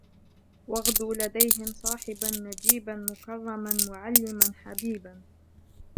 واغْدُ لديهم صاحبا نجيبا مكرما معلما حبيبا